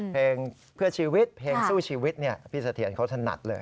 เพลงเพื่อชีวิตเพลงสู้ชีวิตพี่เสถียรเขาถนัดเลย